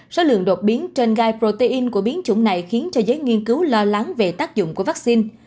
số lượng đột biến trên gai protein của biến chủng này khiến cho giới nghiên cứu lo lắng về tác dụng của vaccine